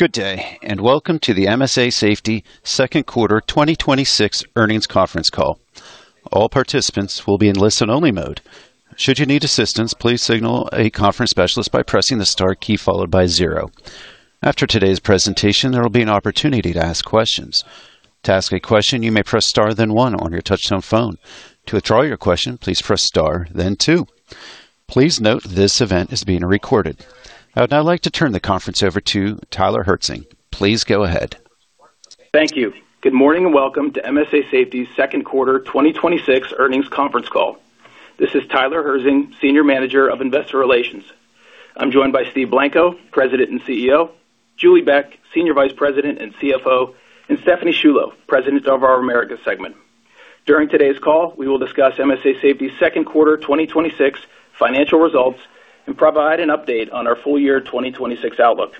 Good day. Welcome to the MSA Safety Second Quarter 2026 Earnings Conference Call. All participants will be in listen-only mode. Should you need assistance, please signal a conference specialist by pressing the star key followed by zero. After today's presentation, there will be an opportunity to ask questions. To ask a question, you may press star then one on your touchtone phone. To withdraw your question, please press star then two. Please note this event is being recorded. I would now like to turn the conference over to Tyler Herzing. Please go ahead. Thank you. Good morning. Welcome to MSA Safety's Second Quarter 2026 Earnings Conference Call. This is Tyler Herzing, Senior Manager of Investor Relations. I'm joined by Steve Blanco, President and CEO, Julie Beck, Senior Vice President and CFO, and Stephanie Sciullo, President of our Americas segment. During today's call, we will discuss MSA Safety's second quarter 2026 financial results and provide an update on our full year 2026 outlook.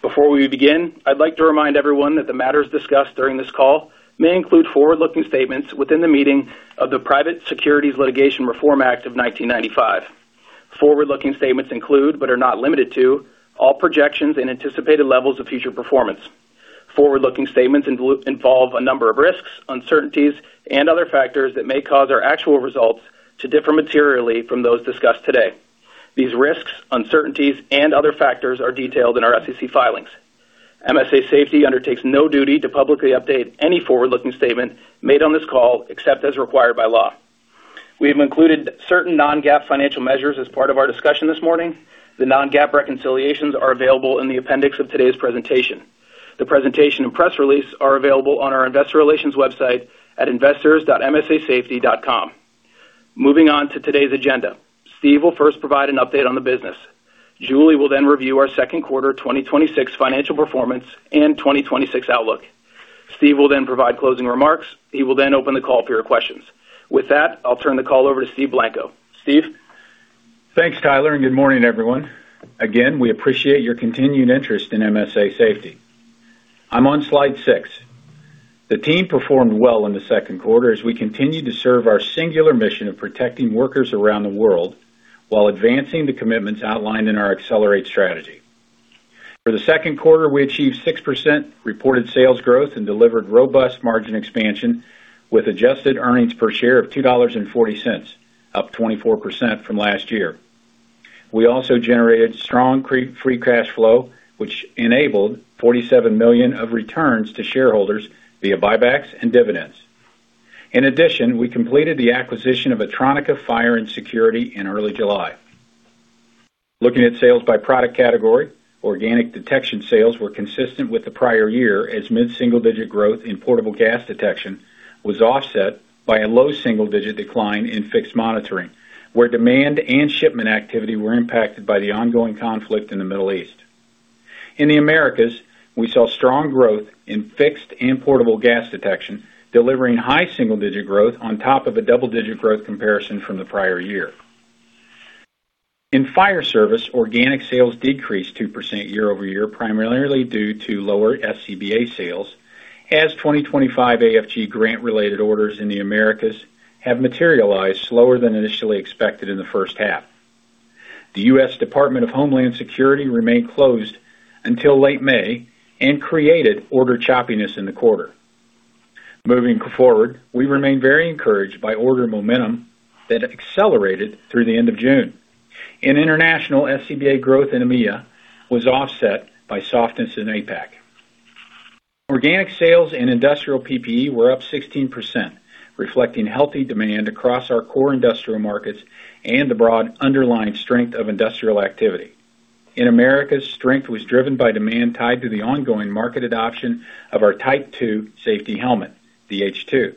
Before we begin, I'd like to remind everyone that the matters discussed during this call may include forward-looking statements within the meaning of the Private Securities Litigation Reform Act of 1995. Forward-looking statements include, but are not limited to, all projections and anticipated levels of future performance. Forward-looking statements involve a number of risks, uncertainties, and other factors that may cause our actual results to differ materially from those discussed today. These risks, uncertainties, and other factors are detailed in our SEC filings. MSA Safety undertakes no duty to publicly update any forward-looking statement made on this call, except as required by law. We have included certain non-GAAP financial measures as part of our discussion this morning. The non-GAAP reconciliations are available in the appendix of today's presentation. The presentation and press release are available on our investor relations website at investors.msasafety.com. Moving on to today's agenda. Steve will first provide an update on the business. Julie will then review our second quarter 2026 financial performance and 2026 outlook. Steve will then provide closing remarks. He will open the call for your questions. With that, I'll turn the call over to Steve Blanco. Steve? Thanks, Tyler. Good morning, everyone. Again, we appreciate your continued interest in MSA Safety. I'm on slide six. The team performed well in the second quarter as we continued to serve our singular mission of protecting workers around the world while advancing the commitments outlined in our Accelerate strategy. For the second quarter, we achieved 6% reported sales growth and delivered robust margin expansion with adjusted earnings per share of $2.40, up 24% from last year. We also generated strong free cash flow, which enabled $47 million of returns to shareholders via buybacks and dividends. In addition, we completed the acquisition of Autronica Fire and Security in early July. Looking at sales by product category, organic detection sales were consistent with the prior year as mid-single-digit growth in portable gas detection was offset by a low single-digit decline in fixed monitoring, where demand and shipment activity were impacted by the ongoing conflict in the Middle East. In the Americas, we saw strong growth in fixed and portable gas detection, delivering high single-digit growth on top of a double-digit growth comparison from the prior year. In fire service, organic sales decreased 2% year-over-year, primarily due to lower SCBA sales as 2025 AFG grant related orders in the Americas have materialized slower than initially expected in the first half. The U.S. Department of Homeland Security remained closed until late May and created order choppiness in the quarter. Moving forward, we remain very encouraged by order momentum that accelerated through the end of June. In international, SCBA growth in EMEA was offset by softness in APAC. Organic sales in industrial PPE were up 16%, reflecting healthy demand across our core industrial markets and the broad underlying strength of industrial activity. In Americas, strength was driven by demand tied to the ongoing market adoption of our Type 2 safety helmet, the H2.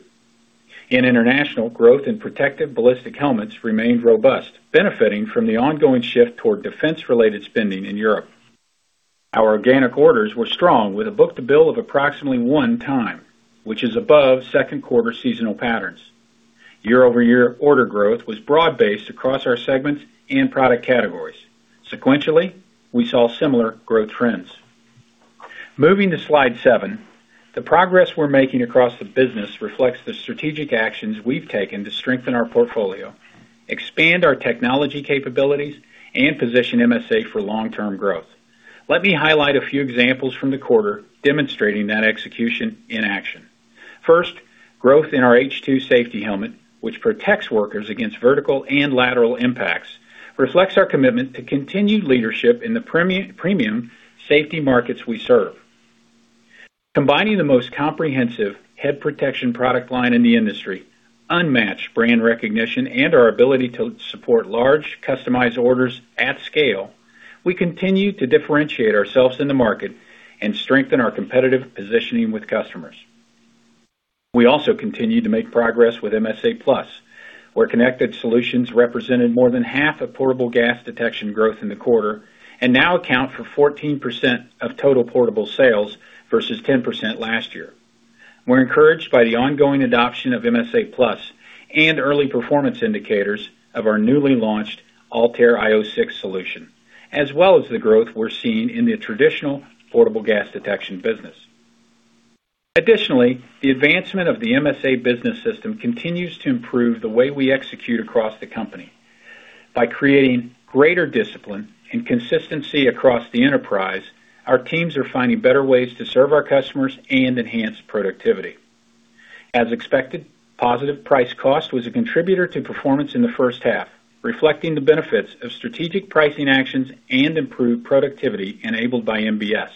In international, growth in protective ballistic helmets remained robust, benefiting from the ongoing shift toward defense-related spending in Europe. Our organic orders were strong with a book to bill of approximately one time, which is above second quarter seasonal patterns. Year-over-year order growth was broad-based across our segments and product categories. Sequentially, we saw similar growth trends. Moving to slide seven. The progress we're making across the business reflects the strategic actions we've taken to strengthen our portfolio, expand our technology capabilities, and position MSA for long-term growth. Let me highlight a few examples from the quarter demonstrating that execution in action. First, growth in our H2 safety helmet, which protects workers against vertical and lateral impacts, reflects our commitment to continued leadership in the premium safety markets we serve. Combining the most comprehensive head protection product line in the industry, unmatched brand recognition, and our ability to support large customized orders at scale, we continue to differentiate ourselves in the market and strengthen our competitive positioning with customers. We also continue to make progress with MSA+, where connected solutions represented more than half of portable gas detection growth in the quarter and now account for 14% of total portable sales versus 10% last year. We're encouraged by the ongoing adoption of MSA+ and early performance indicators of our newly launched ALTAIR io 6 solution, as well as the growth we're seeing in the traditional portable gas detection business. Additionally, the advancement of the MSA Business System continues to improve the way we execute across the company. By creating greater discipline and consistency across the enterprise, our teams are finding better ways to serve our customers and enhance productivity. As expected, positive price cost was a contributor to performance in the first half, reflecting the benefits of strategic pricing actions and improved productivity enabled by MBS.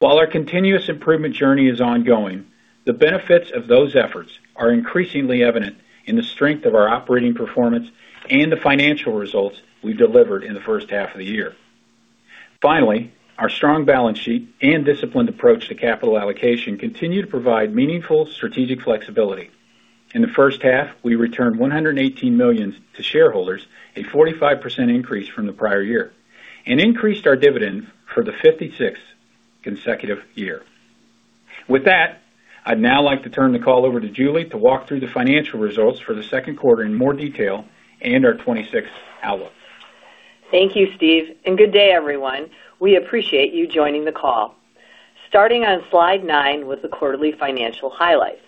While our continuous improvement journey is ongoing, the benefits of those efforts are increasingly evident in the strength of our operating performance and the financial results we delivered in the first half of the year. Finally, our strong balance sheet and disciplined approach to capital allocation continue to provide meaningful strategic flexibility. In the first half, we returned $118 million to shareholders, a 45% increase from the prior year, and increased our dividend for the 56th consecutive year. With that, I'd now like to turn the call over to Julie to walk through the financial results for the second quarter in more detail and our 2026 outlook. Thank you, Steve, and good day, everyone. We appreciate you joining the call. Starting on slide nine with the quarterly financial highlights.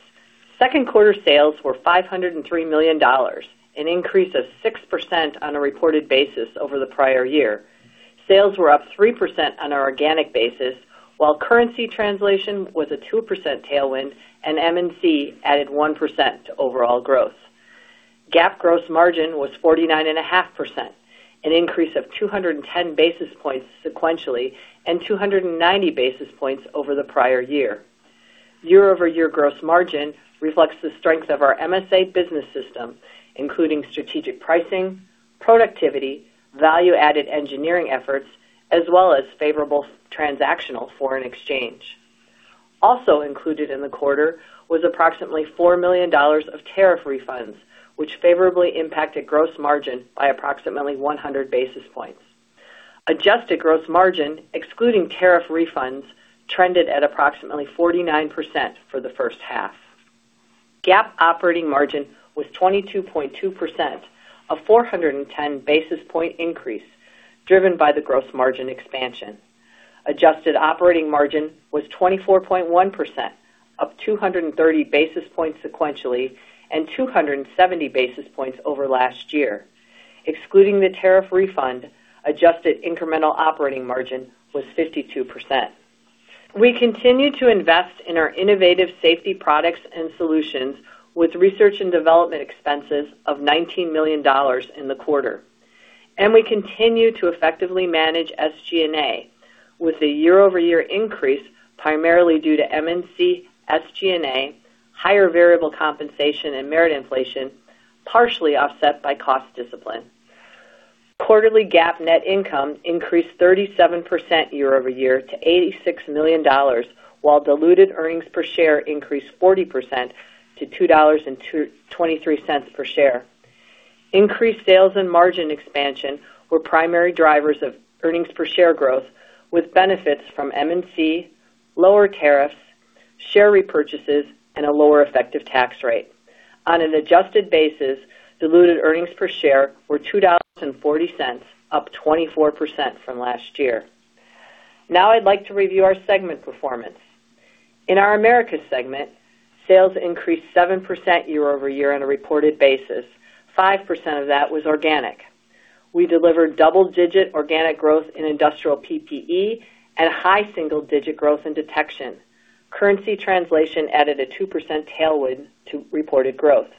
Second quarter sales were $503 million, an increase of 6% on a reported basis over the prior year. Sales were up 3% on our organic basis, while currency translation was a 2% tailwind and M&A added 1% to overall growth. GAAP gross margin was 49.5%, an increase of 210 basis points sequentially and 290 basis points over the prior year. Year-over-year gross margin reflects the strengths of our MSA Business System, including strategic pricing, productivity, value-added engineering efforts, as well as favorable transactional foreign exchange. Also included in the quarter was approximately $4 million of tariff refunds, which favorably impacted gross margin by approximately 100 basis points. Adjusted gross margin, excluding tariff refunds, trended at approximately 49% for the first half. GAAP operating margin was 22.2%, a 410 basis point increase driven by the gross margin expansion. Adjusted operating margin was 24.1%, up 230 basis points sequentially and 270 basis points over last year. Excluding the tariff refund, adjusted incremental operating margin was 52%. We continue to invest in our innovative safety products and solutions with research and development expenses of $19 million in the quarter. We continue to effectively manage SG&A with a year-over-year increase, primarily due to M&A SG&A, higher variable compensation and merit inflation, partially offset by cost discipline. Quarterly GAAP net income increased 37% year-over-year to $86 million, while diluted earnings per share increased 40% to $2.23 per share. Increased sales and margin expansion were primary drivers of earnings per share growth, with benefits from M&A, lower tariffs, share repurchases, and a lower effective tax rate. On an adjusted basis, diluted earnings per share were $2.40, up 24% from last year. I'd like to review our segment performance. In our Americas segment, sales increased 7% year-over-year on a reported basis. 5% of that was organic. We delivered double-digit organic growth in industrial PPE and high single-digit growth in detection. Currency translation added a 2% tailwind to reported growth.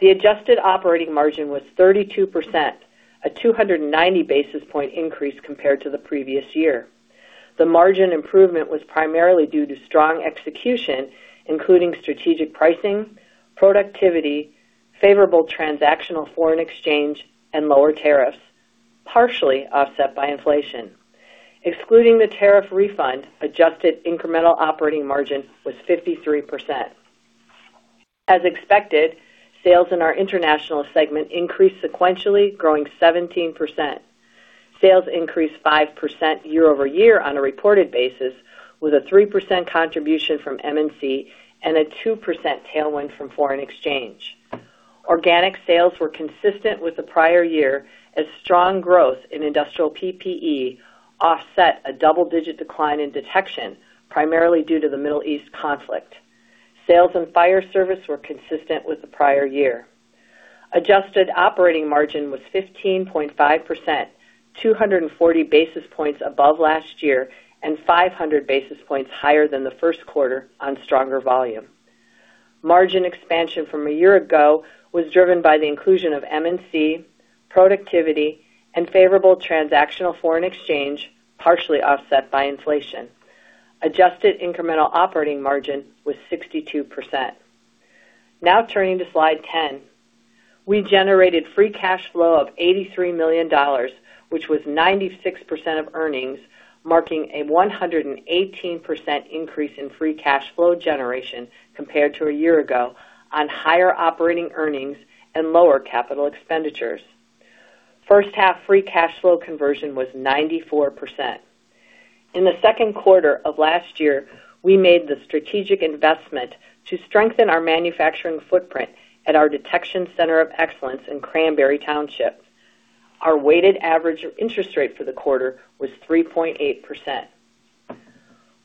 The adjusted operating margin was 32%, a 290 basis point increase compared to the previous year. The margin improvement was primarily due to strong execution, including strategic pricing, productivity, favorable transactional foreign exchange, and lower tariffs, partially offset by inflation. Excluding the tariff refund, adjusted incremental operating margin was 53%. As expected, sales in our International segment increased sequentially, growing 17%. Sales increased 5% year-over-year on a reported basis with a 3% contribution from M&A and a 2% tailwind from foreign exchange. Organic sales were consistent with the prior year as strong growth in industrial PPE offset a double-digit decline in detection, primarily due to the Middle East conflict. Sales and fire service were consistent with the prior year. Adjusted operating margin was 15.5%, 240 basis points above last year and 500 basis points higher than the first quarter on stronger volume. Margin expansion from a year ago was driven by the inclusion of M&A, productivity, and favorable transactional foreign exchange, partially offset by inflation. Adjusted incremental operating margin was 62%. Turning to slide 10. We generated free cash flow of $83 million, which was 96% of earnings, marking a 118% increase in free cash flow generation compared to a year ago on higher operating earnings and lower capital expenditures. First half free cash flow conversion was 94%. In the second quarter of last year, we made the strategic investment to strengthen our manufacturing footprint at our detection center of excellence in Cranberry Township. Our weighted average interest rate for the quarter was 3.8%.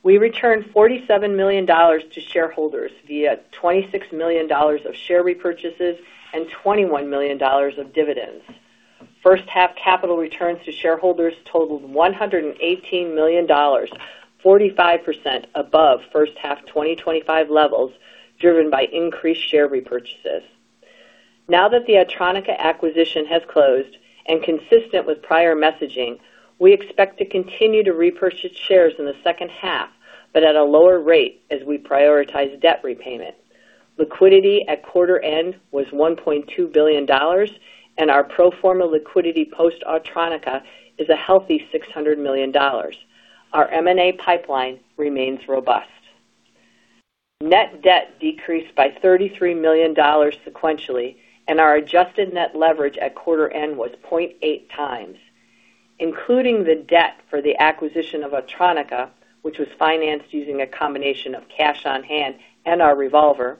We returned $47 million to shareholders via $26 million of share repurchases and $21 million of dividends. First-half capital returns to shareholders totaled $118 million, 45% above first-half 2025 levels, driven by increased share repurchases. That the Autronica acquisition has closed and consistent with prior messaging, we expect to continue to repurchase shares in the second half, but at a lower rate as we prioritize debt repayment. Liquidity at quarter end was $1.2 billion, and our pro forma liquidity post-Autronica is a healthy $600 million. Our M&A pipeline remains robust. Net debt decreased by $33 million sequentially, and our adjusted net leverage at quarter end was 0.8 times. Including the debt for the acquisition of Autronica, which was financed using a combination of cash on hand and our revolver,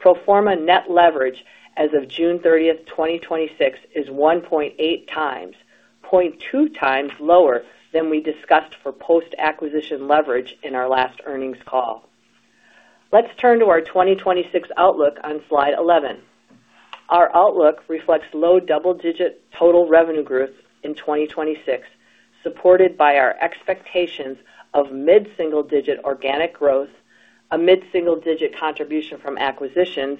pro forma net leverage as of June 30th, 2026, is 1.8x, 0.2x lower than we discussed for post-acquisition leverage in our last earnings call. Turning to our 2026 outlook on slide 11. Our outlook reflects low double-digit total revenue growth in 2026, supported by our expectations of mid-single-digit organic growth, a mid-single-digit contribution from acquisitions,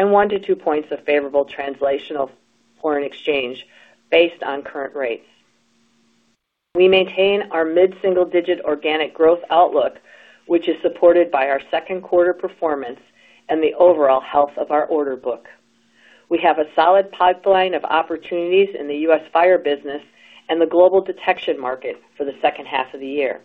and 1-2 points of favorable translational foreign exchange based on current rates. We maintain our mid-single-digit organic growth outlook, which is supported by our second quarter performance and the overall health of our order book. We have a solid pipeline of opportunities in the U.S. fire business and the global detection market for the second half of the year.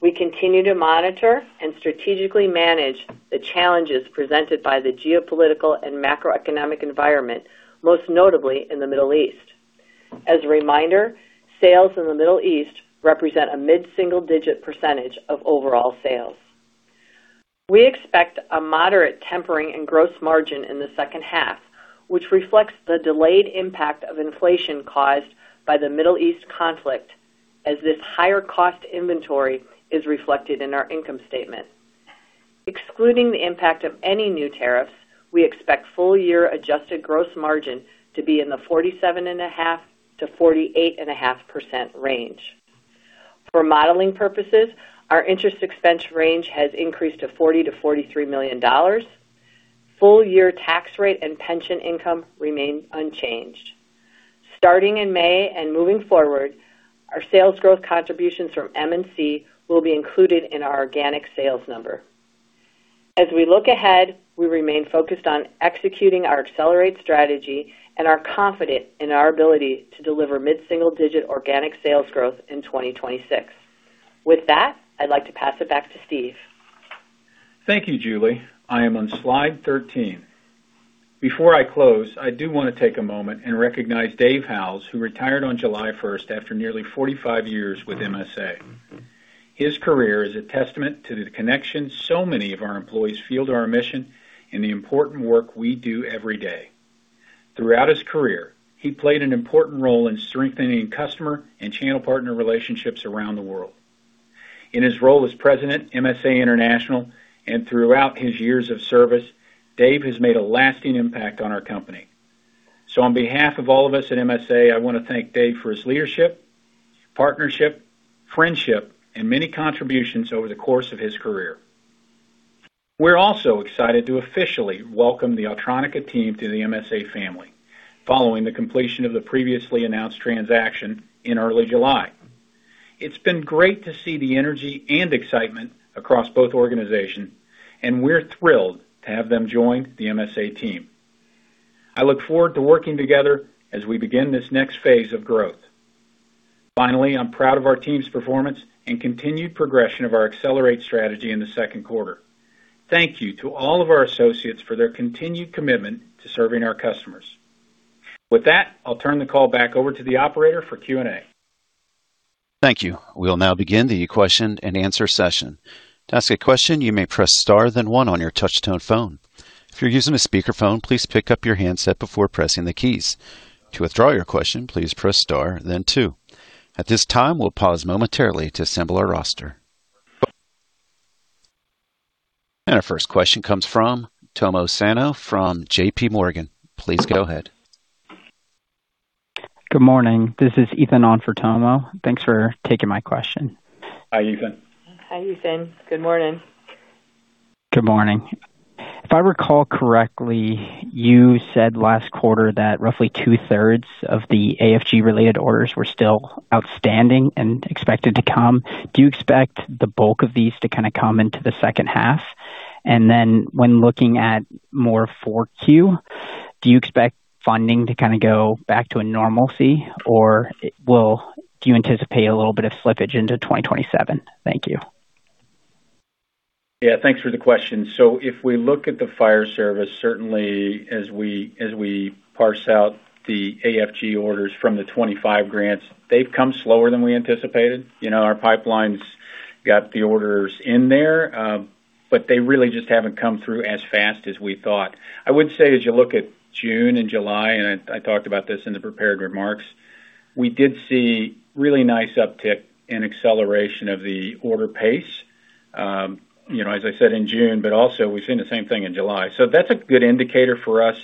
We continue to monitor and strategically manage the challenges presented by the geopolitical and macroeconomic environment, most notably in the Middle East. As a reminder, sales in the Middle East represent a mid-single-digit percentage of overall sales. We expect a moderate tempering and gross margin in the second half, which reflects the delayed impact of inflation caused by the Middle East conflict, as this higher cost inventory is reflected in our income statement. Excluding the impact of any new tariffs, we expect full-year adjusted gross margin to be in the 47.5%-48.5% range. For modeling purposes, our interest expense range has increased to $40 million-$43 million. Full-year tax rate and pension income remains unchanged. Starting in May and moving forward, our sales growth contributions from M&A will be included in our organic sales number. As we look ahead, we remain focused on executing our Accelerate strategy and are confident in our ability to deliver mid-single-digit organic sales growth in 2026. With that, I'd like to pass it back to Steve. Thank you, Julie. I am on slide 13. Before I close, I do want to take a moment and recognize Dave Howes, who retired on July 1st after nearly 45 years with MSA. His career is a testament to the connection so many of our employees feel to our mission and the important work we do every day. Throughout his career, he played an important role in strengthening customer and channel partner relationships around the world. In his role as President, MSA International, and throughout his years of service, Dave has made a lasting impact on our company. On behalf of all of us at MSA, I want to thank Dave for his leadership, partnership, friendship, and many contributions over the course of his career. We're also excited to officially welcome the Autronica team to the MSA family, following the completion of the previously announced transaction in early July. It's been great to see the energy and excitement across both organizations, and we're thrilled to have them join the MSA team. I look forward to working together as we begin this next phase of growth. Finally, I'm proud of our team's performance and continued progression of our Accelerate strategy in the second quarter. Thank you to all of our associates for their continued commitment to serving our customers. With that, I'll turn the call back over to the operator for Q&A. Thank you. We'll now begin the question-and-answer session. Our first question comes from Tomo Sano from JPMorgan. Please go ahead. Good morning. This is Ethan on for Tomo. Thanks for taking my question. Hi, Ethan. Hi, Ethan. Good morning. Good morning. If I recall correctly, you said last quarter that roughly 2/3 of the AFG-related orders were still outstanding and expected to come. Do you expect the bulk of these to kind of come into the second half? When looking at more 4Q, do you expect funding to kind of go back to a normalcy, or do you anticipate a little bit of slippage into 2027? Thank you. Yeah, thanks for the question. If we look at the fire service, certainly as we parse out the AFG orders from the 2025 grants, they've come slower than we anticipated. Our pipelines got the orders in there, they really just haven't come through as fast as we thought. I would say, as you look at June and July, I talked about this in the prepared remarks, we did see really nice uptick in acceleration of the order pace. As I said, in June, we've seen the same thing in July. That's a good indicator for us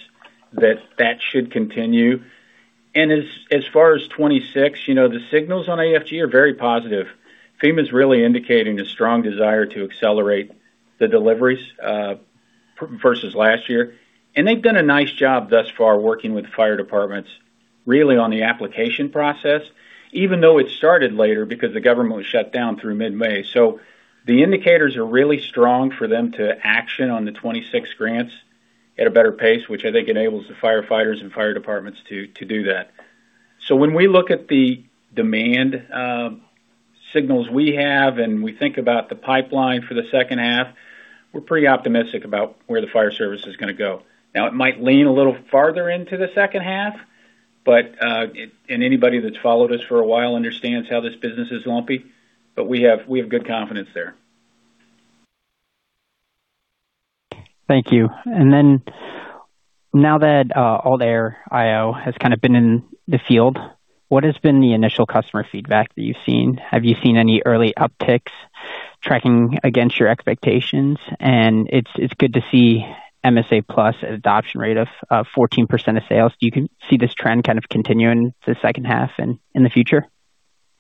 that that should continue. As far as 2026, the signals on AFG are very positive. FEMA's really indicating a strong desire to accelerate the deliveries versus last year. They've done a nice job thus far working with fire departments really on the application process, even though it started later because the government was shut down through mid-May. The indicators are really strong for them to action on the 2026 grants at a better pace, which I think enables the firefighters and fire departments to do that. When we look at the demand signals we have, we think about the pipeline for the second half, we're pretty optimistic about where the fire service is going to go. Now, it might lean a little farther into the second half, anybody that's followed us for a while understands how this business is lumpy, we have good confidence there. Thank you. Now that ALTAIR io has kind of been in the field, what has been the initial customer feedback that you've seen? Have you seen any early upticks tracking against your expectations? It's good to see MSA+ adoption rate of 14% of sales. Do you see this trend kind of continuing to the second half and in the future?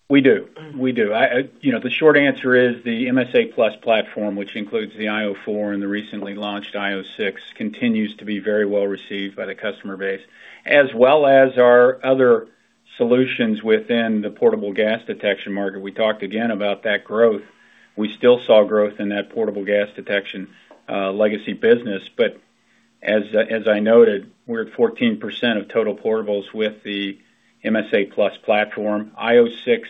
We do. The short answer is the MSA+ platform, which includes the io 4 and the recently launched io 6, continues to be very well received by the customer base, as well as our other solutions within the portable gas detection market. We talked again about that growth. We still saw growth in that portable gas detection legacy business. As I noted, we're at 14% of total portables with the MSA+ platform. io 6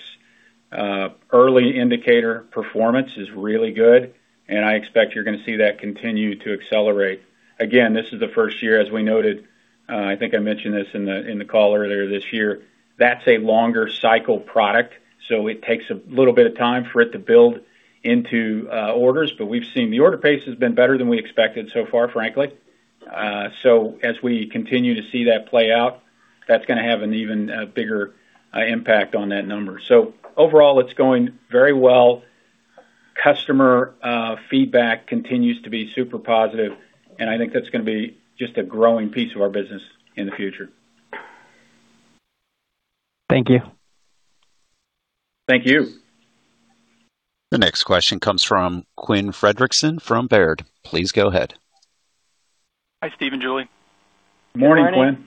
early indicator performance is really good, I expect you're going to see that continue to accelerate. Again, this is the first year, as we noted, I think I mentioned this in the call earlier this year. That's a longer cycle product, so it takes a little bit of time for it to build into orders. We've seen the order pace has been better than we expected so far, frankly. As we continue to see that play out, that's going to have an even bigger impact on that number. Overall, it's going very well. Customer feedback continues to be super positive, and I think that's going to be just a growing piece of our business in the future. Thank you. Thank you. The next question comes from Quinn Fredrickson from Baird. Please go ahead. Hi, Steve and Julie. Morning, Quinn. Morning.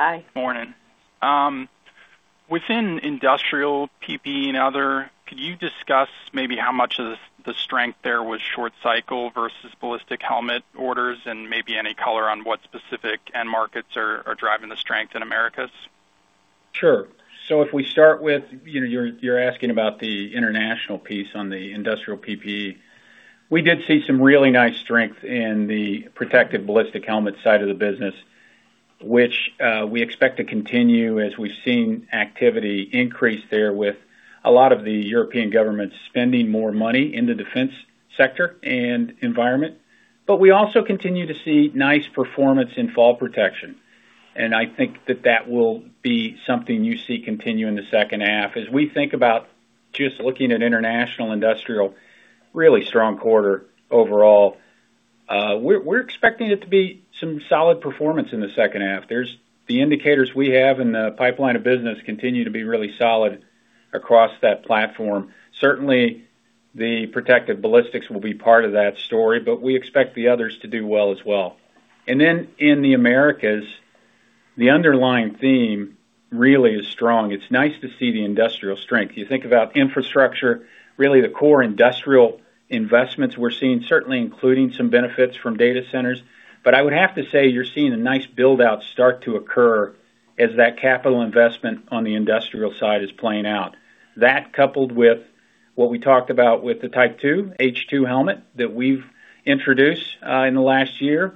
Hi. Morning. Within industrial PPE and other, could you discuss maybe how much of the strength there was short cycle versus ballistic helmet orders and maybe any color on what specific end markets are driving the strength in Americas? Sure. If we start with, you're asking about the international piece on the industrial PPE. We did see some really nice strength in the protective ballistic helmet side of the business, which we expect to continue as we've seen activity increase there with a lot of the European governments spending more money in the defense sector and environment. We also continue to see nice performance in fall protection. I think that that will be something you see continue in the second half. As we think about just looking at international industrial, really strong quarter overall. We're expecting it to be some solid performance in the second half. The indicators we have in the pipeline of business continue to be really solid across that platform. Certainly, the protective ballistics will be part of that story, but we expect the others to do well as well. In the Americas, the underlying theme really is strong. It's nice to see the industrial strength. You think about infrastructure, really the core industrial investments we're seeing, certainly including some benefits from data centers. I would have to say you're seeing a nice build-out start to occur as that capital investment on the industrial side is playing out. That coupled with what we talked about with the type 2 H2 helmet that we've introduced in the last year.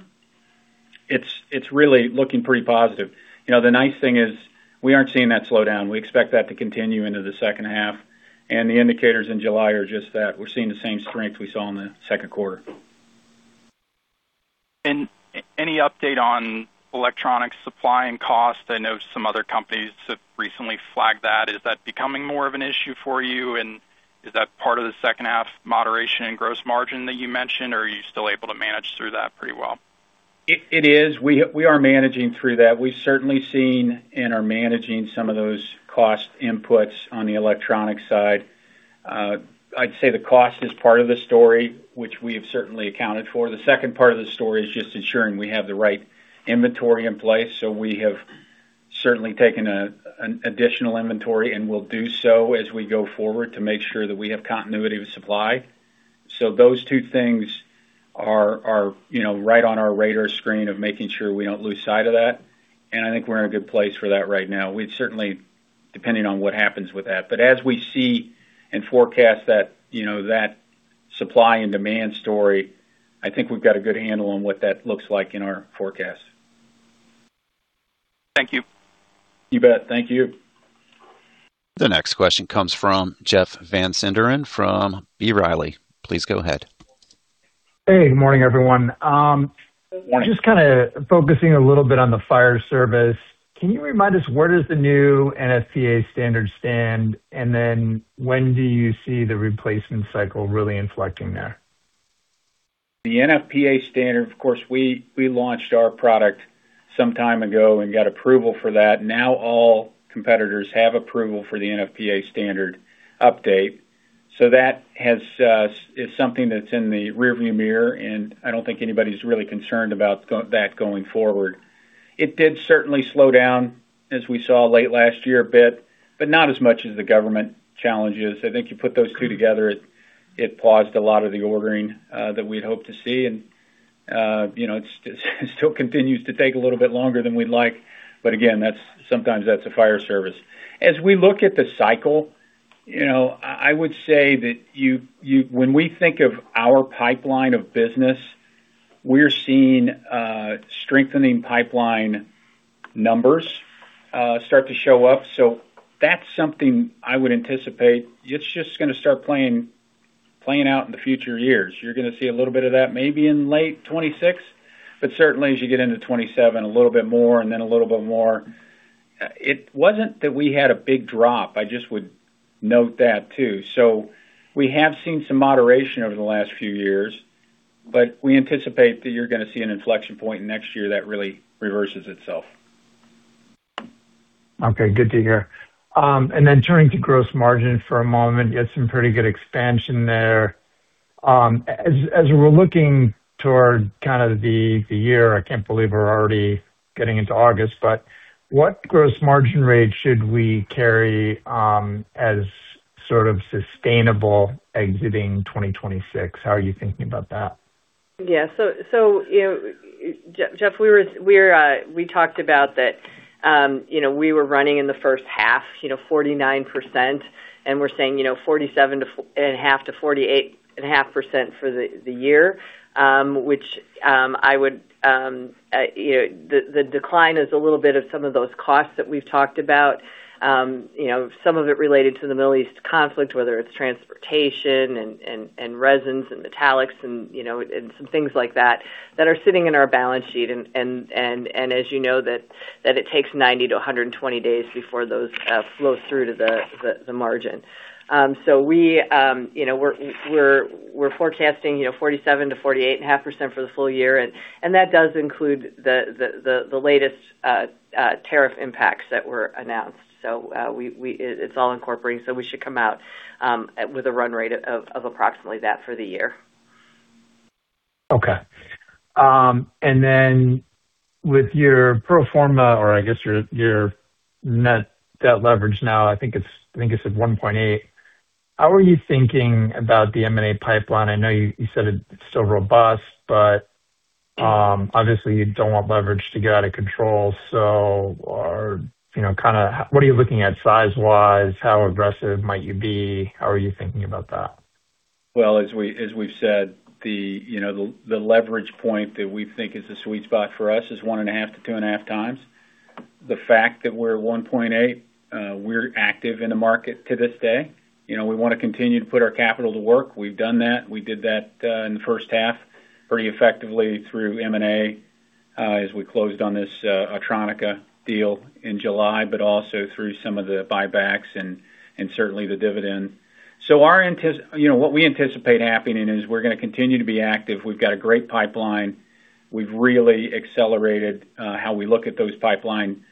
It's really looking pretty positive. The nice thing is we aren't seeing that slow down. We expect that to continue into the second half, and the indicators in July are just that. We're seeing the same strength we saw in the second quarter. Any update on electronic supply and cost? I know some other companies have recently flagged that. Is that becoming more of an issue for you? And is that part of the second half moderation in gross margin that you mentioned? Or are you still able to manage through that pretty well? It is. We are managing through that. We've certainly seen and are managing some of those cost inputs on the electronic side. I'd say the cost is part of the story, which we have certainly accounted for. The second part of the story is just ensuring we have the right inventory in place. We have certainly taken an additional inventory and will do so as we go forward to make sure that we have continuity of supply. Those two things are right on our radar screen of making sure we don't lose sight of that. I think we're in a good place for that right now. Depending on what happens with that, as we see and forecast that supply and demand story, I think we've got a good handle on what that looks like in our forecast. Thank you. You bet. Thank you. The next question comes from Jeff Van Sinderen from B. Riley. Please go ahead. Hey, good morning, everyone. Morning. Just kind of focusing a little bit on the fire service, can you remind us where does the new NFPA standard stand, when do you see the replacement cycle really inflecting there? The NFPA standard, of course, we launched our product some time ago and got approval for that. Now all competitors have approval for the NFPA standard update, that is something that's in the rearview mirror, I don't think anybody's really concerned about that going forward. It did certainly slow down, as we saw late last year a bit, but not as much as the government challenges. I think you put those two together, it paused a lot of the ordering that we'd hoped to see. It still continues to take a little bit longer than we'd like. Again, sometimes that's the fire service. As we look at the cycle, I would say that when we think of our pipeline of business, we're seeing strengthening pipeline numbers start to show up. That's something I would anticipate. It's just going to start playing out in the future years. You're going to see a little bit of that maybe in late 2026, certainly as you get into 2027, a little bit more, a little bit more. It wasn't that we had a big drop, I just would note that too. We have seen some moderation over the last few years, we anticipate that you're going to see an inflection point next year that really reverses itself. Okay. Good to hear. Turning to gross margin for a moment, you had some pretty good expansion there. As we're looking toward the year, I can't believe we're already getting into August, what gross margin rate should we carry as sort of sustainable exiting 2026? How are you thinking about that? Yeah. Jeff, we talked about that we were running in the first half, 49%, and we're saying 47.5%-48.5% for the year. The decline is a little bit of some of those costs that we've talked about. Some of it related to the Middle East conflict, whether it's transportation and resins and metallics and some things like that that are sitting in our balance sheet. As you know, that it takes 90 to 120 days before those flow through to the margin. We're forecasting 47%-48.5% for the full year. That does include the latest tariff impacts that were announced. It's all incorporated, so we should come out with a run rate of approximately that for the year. Okay. With your pro forma or I guess your net debt leverage now, I think it's at 1.8x. How are you thinking about the M&A pipeline? I know you said it's still robust, obviously you don't want leverage to get out of control. What are you looking at size-wise? How aggressive might you be? How are you thinking about that? Well, as we've said, the leverage point that we think is the sweet spot for us is 1.5x-2.5x. The fact that we're 1.8x, we're active in the market to this day. We want to continue to put our capital to work. We've done that. We did that in the first half pretty effectively through M&A as we closed on this Autronica deal in July, also through some of the buybacks and certainly the dividend. What we anticipate happening is we're going to continue to be active. We've got a great pipeline. We've really accelerated how we look at those pipeline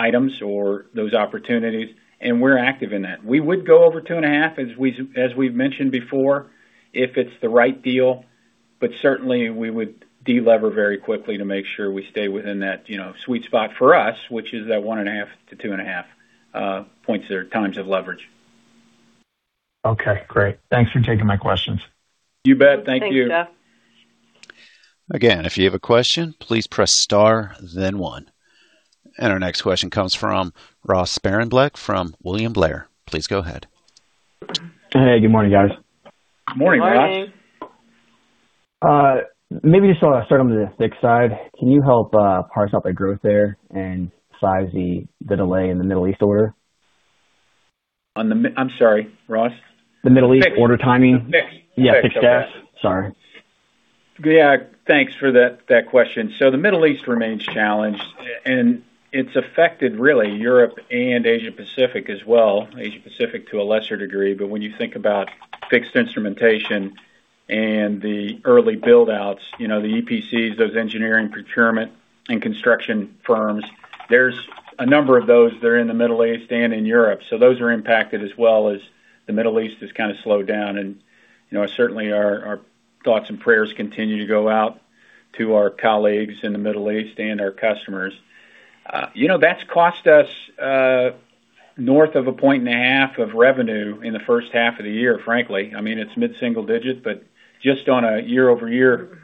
items or those opportunities, we're active in that. We would go over 2.5x, as we've mentioned before, if it's the right deal. Certainly, we would de-lever very quickly to make sure we stay within that sweet spot for us, which is that 1.5x-2.5x points there, times of leverage. Okay, great. Thanks for taking my questions. You bet. Thank you. Thanks, Jeff. Again, if you have a question, please press star then one. Our next question comes from Ross Sparenblek from William Blair. Please go ahead. Hey, good morning, guys. Morning, Ross. Morning. Maybe just want to start on the fixed side. Can you help parse out the growth there and size the delay in the Middle East order? I'm sorry, Ross? The Middle East order timing. Fixed. Yeah, fixed. Sorry. Yeah, thanks for that question. The Middle East remains challenged, and it's affected really Europe and Asia-Pacific as well. Asia-Pacific to a lesser degree. When you think about fixed instrumentation and the early build-outs, the EPCs, those engineering, procurement, and construction firms, there's a number of those that are in the Middle East and in Europe. Those are impacted as well as the Middle East has kind of slowed down. Certainly, our thoughts and prayers continue to go out to our colleagues in the Middle East and our customers. That's cost us north of a point and a half of revenue in the first half of the year, frankly. I mean, it's mid-single digit, but just on a year-over-year,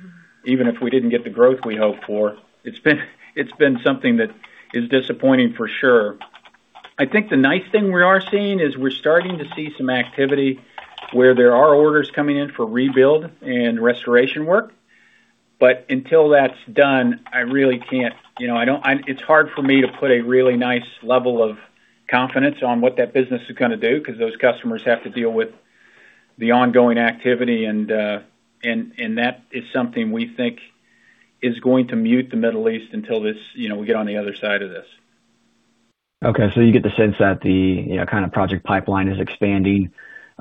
even if we didn't get the growth we hoped for, it's been something that is disappointing for sure. I think the nice thing we are seeing is we're starting to see some activity where there are orders coming in for rebuild and restoration work. Until that's done, it's hard for me to put a really nice level of confidence on what that business is going to do, because those customers have to deal with the ongoing activity, that is something we think is going to mute the Middle East until we get on the other side of this. You get the sense that the project pipeline is expanding.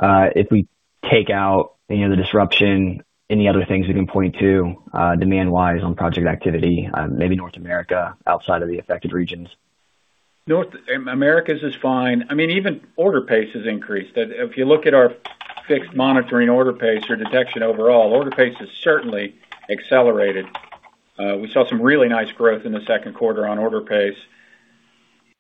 If we take out the disruption, any other things we can point to demand-wise on project activity, maybe North America, outside of the affected regions? North America is fine. Even order pace has increased. If you look at our fixed monitoring order pace or detection overall, order pace has certainly accelerated. We saw some really nice growth in the second quarter on order pace.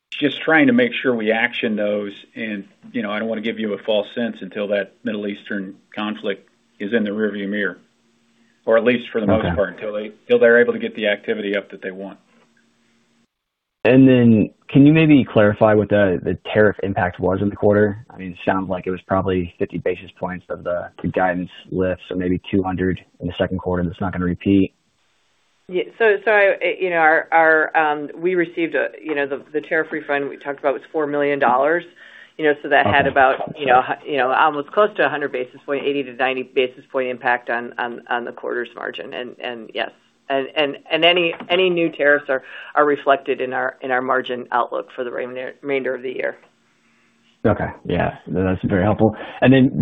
Just trying to make sure we action those and I don't want to give you a false sense until that Middle Eastern conflict is in the rear view mirror, or at least for the most part, until they're able to get the activity up that they want. Can you maybe clarify what the tariff impact was in the quarter? It sounds like it was probably 50 basis points of the guidance lift, so maybe 200 basis points in the second quarter that's not going to repeat. Yeah. We received the tariff refund we talked about was $4 million. That had about almost close to 100 basis point, 80 to 90 basis point impact on the quarter's margin. Yes. Any new tariffs are reflected in our margin outlook for the remainder of the year. Okay. Yeah, that's very helpful.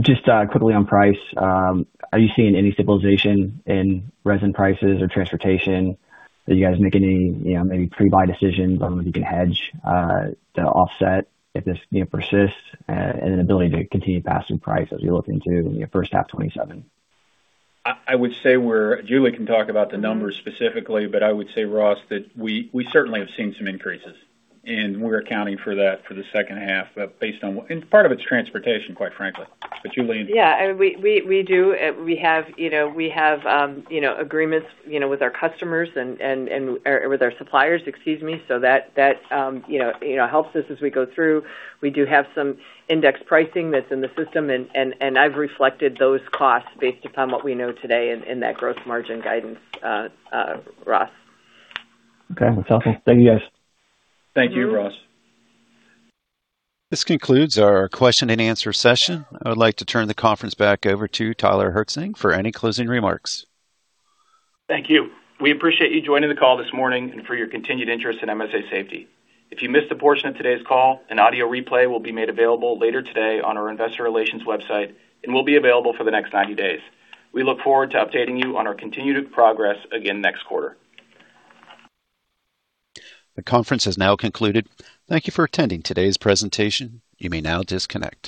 Just quickly on price, are you seeing any stabilization in resin prices or transportation? Are you guys making any maybe pre-buy decisions on whether you can hedge to offset if this persists and an ability to continue passing price as we look into the first half 2027? Julie can talk about the numbers specifically. I would say, Ross, that we certainly have seen some increases. We're accounting for that for the second half based on what. Part of it's transportation, quite frankly. Julie? Yeah, we do. We have agreements with our suppliers. That helps us as we go through. We do have some index pricing that's in the system. I've reflected those costs based upon what we know today in that gross margin guidance, Ross. Okay. That's helpful. Thank you, guys. Thank you, Ross. This concludes our question-and-answer session. I would like to turn the conference back over to Tyler Herzing for any closing remarks. Thank you. We appreciate you joining the call this morning and for your continued interest in MSA Safety. If you missed a portion of today's call, an audio replay will be made available later today on our investor relations website and will be available for the next 90 days. We look forward to updating you on our continued progress again next quarter. The conference has now concluded. Thank you for attending today's presentation. You may now disconnect.